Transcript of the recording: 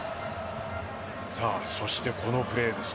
そしてこのプレーです。